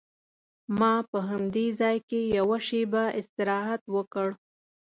ما په همدې ځای کې یوه شېبه استراحت وکړ.